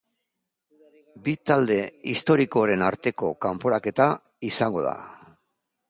Bi talde historikoren arteko kanporaketa izango da.